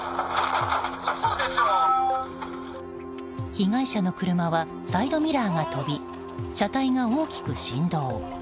被害者の車はサイドミラーが飛び車体が大きく振動。